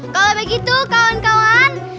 kalau begitu kawan kawan